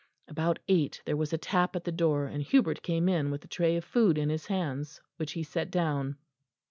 About eight there was a tap at the door, and Hubert came in with a tray of food in his hands, which he set down.